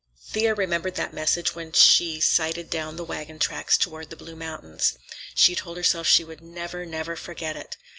Thea remembered that message when she sighted down the wagon tracks toward the blue mountains. She told herself she would never, never forget it.